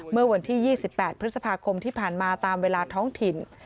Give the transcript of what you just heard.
เมื่อวันที่๒๘พฤษภาคมที่ผ่านมาตามเวลาท้องถิ่น